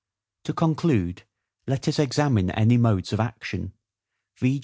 To conclude: Let us examine any modes of action, v.